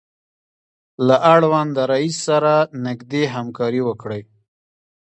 له اړونده رئیس سره نږدې همکاري وکړئ.